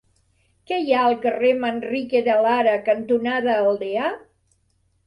Què hi ha al carrer Manrique de Lara cantonada Aldea?